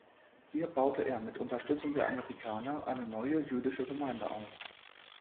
Hier baute er mit Unterstützung der Amerikaner eine neue jüdische Gemeinde auf.